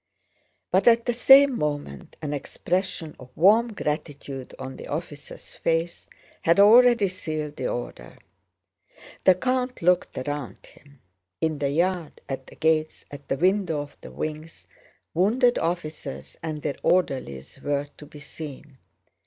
But at the same moment an expression of warm gratitude on the officer's face had already sealed the order. The count looked around him. In the yard, at the gates, at the window of the wings, wounded officers and their orderlies were to be seen.